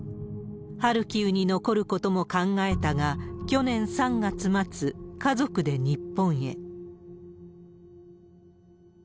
ハルキウに残ることも考えたが、去年３月末、家族で日本へ。